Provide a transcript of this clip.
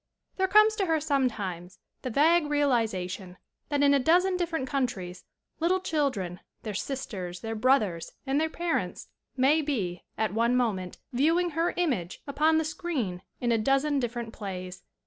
There comes to her sometimes the vague re alization that in a dozen different countries little children, their sisters, their brothers and their parents may be, at one moment, viewing her image upon the screen in a dozen different plays.